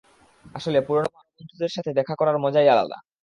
আসলে, পুরনো বন্ধুদের সাথে দেখা করার মজাই আলাদা।